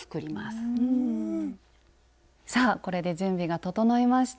さあこれで準備が整いました。